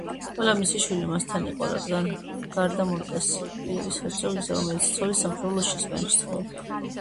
ყველა მისი შვილი მასთან იყო, გარდა მონტესპიერის ჰერცოგისა, რომელიც ცოლის სამშობლოში, ესპანეთში ცხოვრობდა.